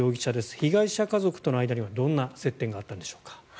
被害者家族との間にはどんな接点があったんでしょうか。